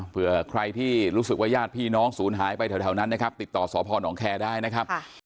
เผื่อใครที่รู้สึกว่าญาติพี่น้องศูนย์หายไปแถวนั้นนะครับติดต่อสพนแคร์ได้นะครับ